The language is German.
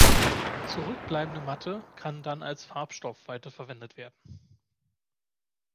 Die zurückbleibende „Matte“ kann dann als Farbstoff weiterverwendet werden.